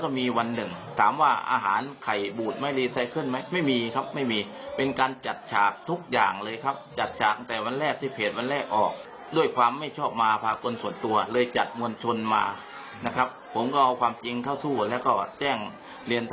นี่ไงมันเป็นกลายเป็นอีกประเด็นไปเลย